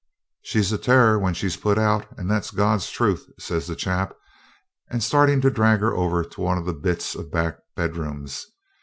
'She's a terror when she's put out, and that's God's truth,' says the chap; and starting to drag her over to one of the bits of back bedrooms.